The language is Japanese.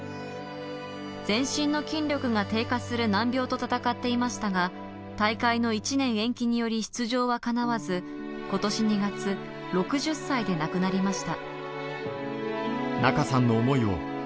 全身の筋力が低下する難病と闘っていましたが、大会の１年延期により出場はかなわず、今年２月、６０歳で亡くなりました。